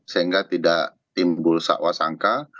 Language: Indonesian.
sehingga tidak timbul sakwa sangka